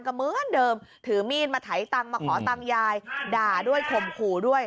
ก็เหมือนเดิมถือมีดมาไถตังค์มาขอตังค์ยายด่าด้วยข่มขู่ด้วย